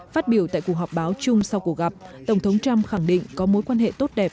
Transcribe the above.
phát biểu tại cuộc họp báo chung sau cuộc gặp tổng thống trump khẳng định có mối quan hệ tốt đẹp